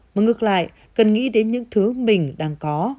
mà ngược lại cần nghĩ đến những thứ mình đang có